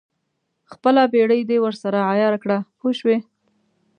خپله بېړۍ دې ورسره عیاره کړه پوه شوې!.